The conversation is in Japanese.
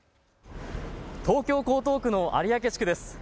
東京江東区の有明地区です。